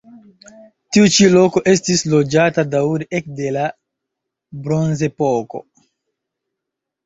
Tiu ĉi loko estis loĝata daŭre ekde la bronzepoko.